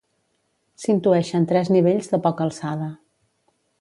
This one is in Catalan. S'intueixen tres nivells de poca alçada.